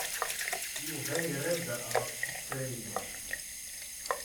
Yuba yerra-d ɣef tuttra-inu.